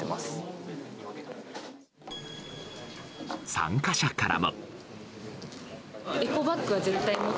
参加者からも。